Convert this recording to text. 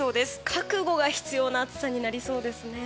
覚悟が必要な暑さになりそうですね。